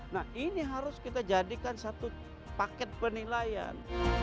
nah ini harus kita jadikan satu paket penilaian